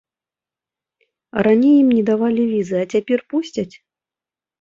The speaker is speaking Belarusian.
Раней ім не давалі візы, а цяпер пусцяць?